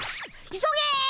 急げ！